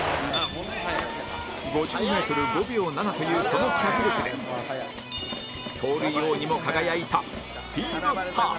「ホンマ速い」５０メートル５秒７というその脚力で盗塁王にも輝いたスピードスターだ